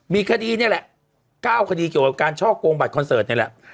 มีคดีนี่แหละ๙คดีเกี่ยวกับการช่อกงบัตรคอนเสิร์ตนี่แหละ